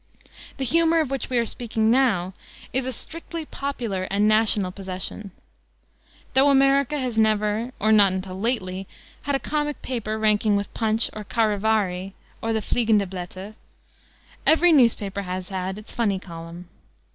The humor of which we are speaking now is a strictly popular and national possession. Though America has never, or not until lately, had a comic paper ranking with Punch or Charivari or the Fliegende Blätter, every newspaper has had its funny column.